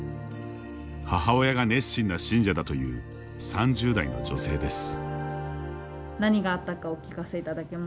母親が熱心な信者だという３０代の女性です。